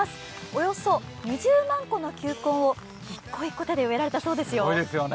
およそ２０万個の球根を１個１個手で植えられたそうですよ。